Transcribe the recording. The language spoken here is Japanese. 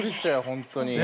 本当に。